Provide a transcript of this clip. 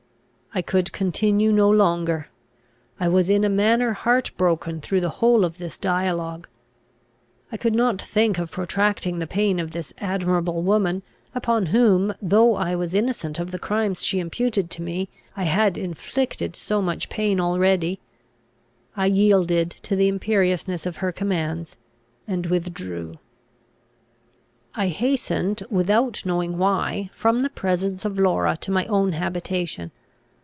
I could continue no longer. I was in a manner heart broken through the whole of this dialogue. I could not think of protracting the pain of this admirable woman, upon whom, though I was innocent of the crimes she imputed to me, I had inflicted so much pain already. I yielded to the imperiousness of her commands, and withdrew. I hastened, without knowing why, from the presence of Laura to my own habitation.